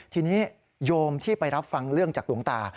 ทีนี้โยมที่ไปรับฟังเรื่องจากหลวงตา